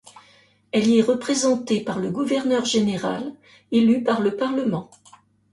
Elle y est représentée par le gouverneur général, élu par le parlement.